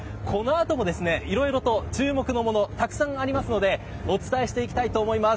この後もいろいろと注目のものたくさんありますのでお伝えしていきたいと思います。